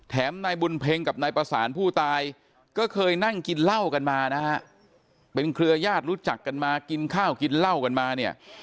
นายบุญเพ็งกับนายประสานผู้ตายก็เคยนั่งกินเหล้ากันมานะฮะเป็นเครือญาติรู้จักกันมากินข้าวกินเหล้ากันมาเนี่ย